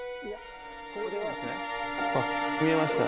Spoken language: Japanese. あ見えました。